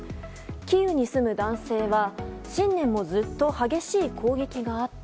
キーウに住む男性は新年もずっと激しい攻撃があった。